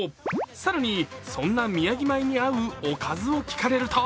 更に、そんな宮城米に合うおかずを聞かれると